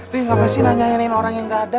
nih ngapain sih nanyainin orang yang ga ada